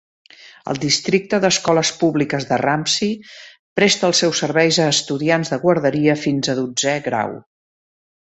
El districte d'escoles públiques de Ramsey presta els seus serveis a estudiants de guarderia fins a dotzè grau.